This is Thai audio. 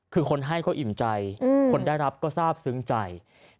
คือคนให้เขาอิ่มใจคนได้รับก็ทราบซึ้งใจ